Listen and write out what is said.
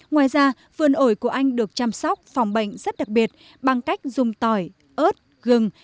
ngoài ra vườn ổi của anh được chăm sóc phòng bệnh rất đặc biệt bằng cách dùng tỏi ớt gừng